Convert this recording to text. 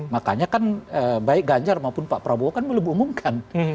makanya kan baik ganjar maupun pak prabowo kan belum diumumkan